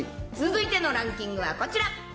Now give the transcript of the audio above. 続いてのランキングがこちら。